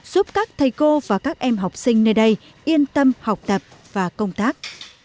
giúp các thầy cô và các em học sinh nơi đây yên tâm học tập và công tác